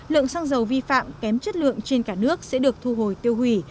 lượng xăng dầu vi phạm kém chất lượng trên cả nước sẽ được thu hồi tiêu hủy